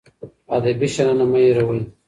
ادبي شننه مه هېروئ.